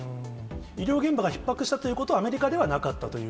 医療現場がひっ迫したということは、アメリカではなかったという？